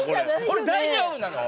これ大丈夫なの？